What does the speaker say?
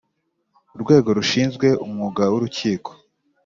urwego rushinzwe umwuga w’urukiko